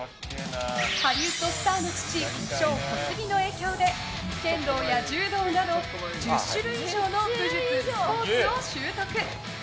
ハリウッドスターの父ショーン・コスギの影響で剣道や柔道など、１０種類以上の武術、スポーツを習得。